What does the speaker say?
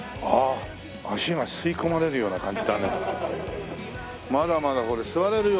ああ足が吸い込まれるような感じだね。